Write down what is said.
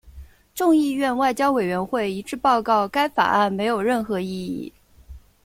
众议院外交委员会一致报告该法案没有任何意义。